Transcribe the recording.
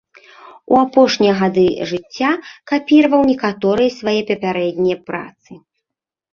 У апошнія гады жыцця капіраваў некаторыя свае папярэднія працы.